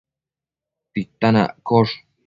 titan accosh